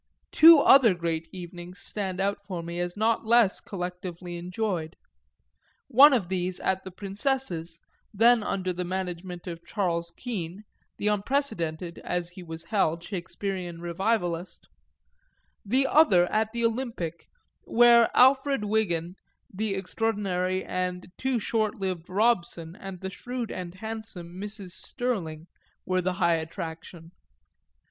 Two other great evenings stand out for me as not less collectively enjoyed, one of these at the Princess's, then under the management of Charles Kean, the unprecedented (as he was held) Shakespearean revivalist, the other at the Olympic, where Alfred Wigan, the extraordinary and too short lived Robson and the shrewd and handsome Mrs. Stirling were the high attraction.